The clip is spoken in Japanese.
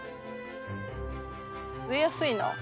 植えやすいな。